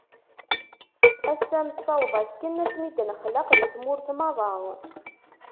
Ass-a, nessaweḍ akken ad ten-id-nexlaq di tmurt merra.